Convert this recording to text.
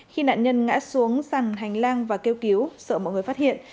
khi nạn nhân ngã xuống sàn hành lang và kêu cứu sợ mọi người phát hiện